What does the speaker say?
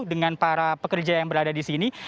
dengan para pekerja yang berada di sini